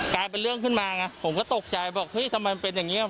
กลายเป็นเรื่องขึ้นมาไงผมก็ตกใจบอกเฮ้ยทำไมมันเป็นอย่างนี้